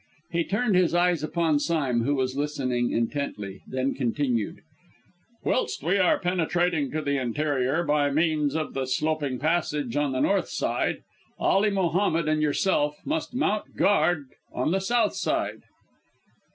He turned his eyes upon Sime, who was listening intently, then continued: "Whilst we are penetrating to the interior by means of the sloping passage on the north side, Ali Mohammed and yourself must mount guard on the south side."